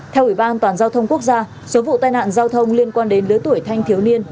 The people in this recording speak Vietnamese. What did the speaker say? theo ủy ban toàn giao thông quốc gia số vụ tai nạn giao thông liên quan đến lứa tuổi thanh thiếu niên